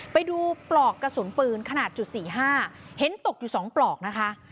ไปดูปลอกกระสุนปืนขนาด๔๕เห็นตกอยู่สองปลอกนะคะ